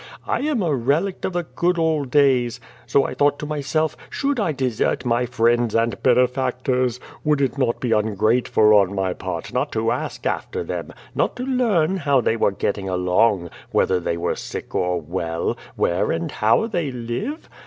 I am a relict of the good old days. So I thought to m3'self, should I desert my friends and bene factors? Would it not be ungrateful on my part not to ask after them, not to learn how they were getting along, whether tJiey were sick or well, where and how they live?